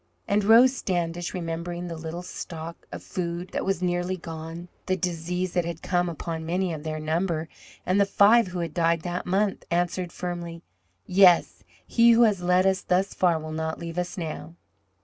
And Rose Standish, remembering the little stock of food that was nearly gone, the disease that had come upon many of their number, and the five who had died that month, answered firmly: "Yes. He who has led us thus far will not leave us now."